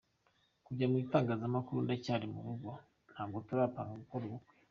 kujya mu itangazanakuru Ndacyari mu rugo ntabwo turapanga gukora ubukwe.